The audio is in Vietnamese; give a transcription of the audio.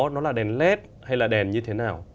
nó là đèn led hay là đèn như thế nào